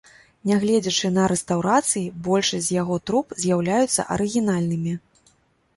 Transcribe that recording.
Нягледзячы на рэстаўрацыі, большасць з яго труб з'яўляюцца арыгінальнымі.